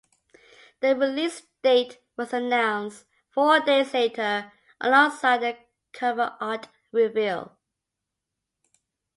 The release date was announced four days later alongside the cover art reveal.